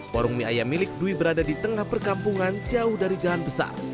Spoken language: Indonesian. warung mie ayam milik dwi berada di tengah perkampungan jauh dari jalan besar